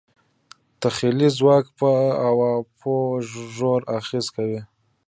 تخیلي ځواک په عواطفو ژور اغېز کوي.